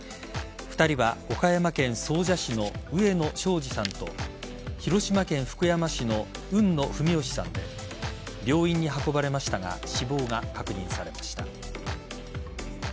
２人は岡山県総社市の上野章二さんと広島県福山市の海野文由さんで病院に運ばれましたが死亡が確認されました。